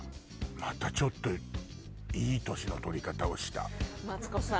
またちょっといい年の取り方をしたマツコさん